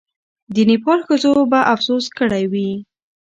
د نېپال ښځو به افسوس کړی وي.